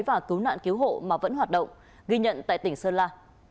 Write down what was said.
và cứu nạn cứu hộ mà vẫn hoạt động ghi nhận tại tỉnh sơn la